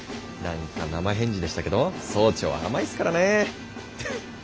何か生返事でしたけど総長は甘いですからね。